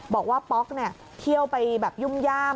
บอกว่าป๊อกเที่ยวไปแบบยุ่มย่าม